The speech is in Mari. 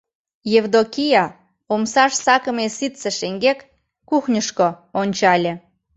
Евдокия омсаш сакыме ситце шеҥгек, кухньышко, ончале.